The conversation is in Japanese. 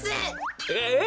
えっ！？